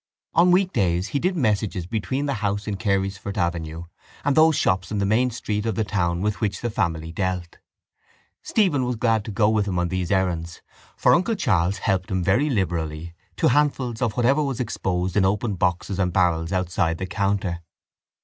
On week days he did messages between the house in Carysfort Avenue and those shops in the main street of the town with which the family dealt. Stephen was glad to go with him on these errands for uncle Charles helped him very liberally to handfuls of whatever was exposed in open boxes and barrels outside the counter.